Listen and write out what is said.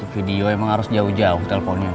video emang harus jauh jauh telponnya